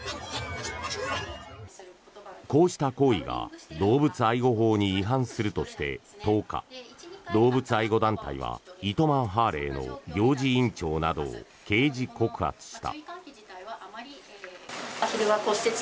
こうした行為が動物愛護法に違反するとして１０日、動物愛護団体は糸満ハーレーの行事委員長などを刑事告発した。